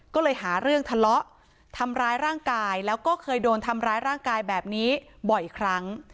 ก็เลยหาเรื่องทะเลาะทำร้ายร่างกายแล้วก็เคยโดนทำร้ายร่างกายแบบนี้บ่อยครั้ง